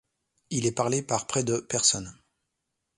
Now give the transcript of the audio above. Il est parlé par près de personnes.